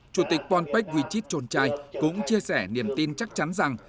chủ tịch ponpech wichich chonchai cũng chia sẻ niềm tin chắc chắn rằng